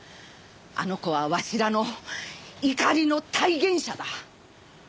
あの子はわしらの怒りの体現者だ！